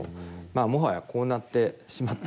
まあもはやこうなってしまった以上はですね